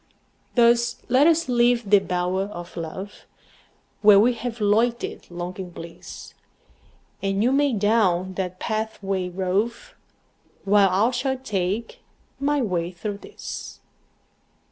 Thus let us leave the bower of love, Where we have loitered long in bliss; And you may down that pathway rove, While I shall take my way through this.